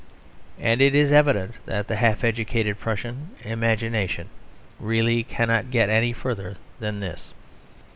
And it is evident that the half educated Prussian imagination really cannot get any further than this.